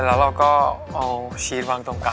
แล้วเราก็เอาชีสวางตรงกลาง